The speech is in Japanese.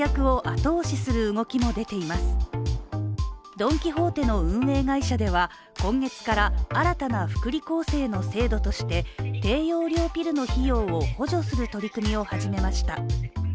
ドン・キホーテの運営会社では今月から新たな福利厚生の制度として低用量ピルの費用を補助する取り組みを始めました。